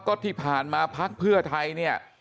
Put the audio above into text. ก็ที่ผ่านมาพักเพื่อไทยเนี่ย